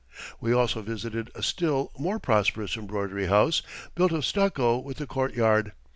We also visited a still more prosperous embroidery house, built of stucco, with a courtyard.